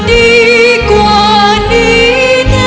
ไม่เร่รวนภาวะผวังคิดกังคัน